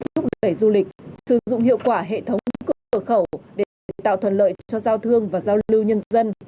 thúc đẩy du lịch sử dụng hiệu quả hệ thống cửa khẩu để tạo thuận lợi cho giao thương và giao lưu nhân dân